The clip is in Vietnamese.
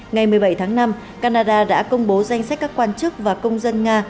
ngày một mươi bảy tháng năm canada đã công bố danh sách các quan chức và công dân nga